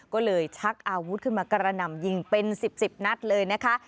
ก็เลยชักอาวุธขึ้นมากระหน่ำยิงเป็น๑๐นัดเลยนะคะ